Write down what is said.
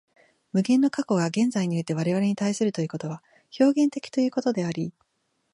無限の過去が現在において我々に対するということは表現的ということであり、